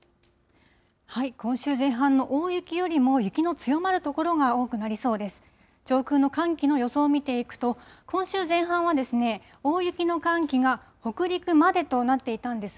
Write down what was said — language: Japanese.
今週前半の大雪よりも、雪の強まる所が多くなりそうです。